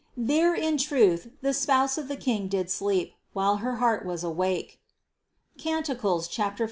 235. There in truth the spouse of the King did sleep, while her heart was awake (Cant 5, 2).